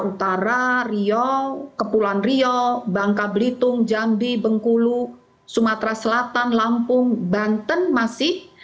utara riau kepulauan rio bangka belitung jambi bengkulu sumatera selatan lampung banten masih